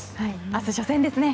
明日、初戦ですね